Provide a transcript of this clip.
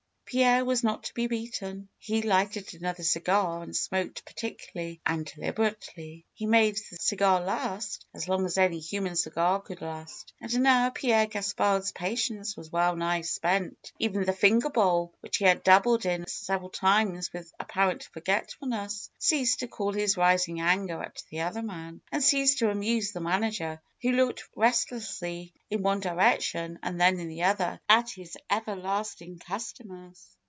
Pierre was not to be beaten. He lighted another cigar and smoked particularly and deliberately. He made the cigar last as long as any human cigar could last. And now Pierre Gaspard's patience was well nigh spent. Even the finger bowl, which he had dabbled in several times with apparent forgetfulness, ceased to cool his rising anger at the other man, and ceased to amuse the manager, who looked restlessly in one direc tion and then in the other, at his everlasting customers.